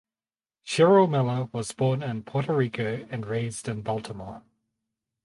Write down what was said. Cheryl Miller was born in Puerto Rico and raised in Baltimore.